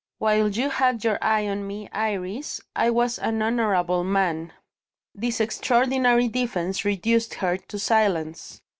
While you had your eye on me, Iris, I was an honourable man." This extraordinary defence reduced her to silence.